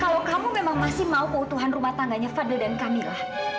kalau kamu memang masih mau keutuhan rumah tangganya fadil dan kami lah